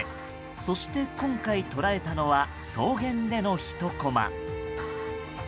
そして今回、捉えたのは草原でのひとコマ。